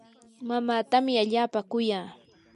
mamaatami allaapa kuya.